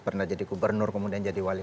pernah jadi gubernur kemudian jadi wali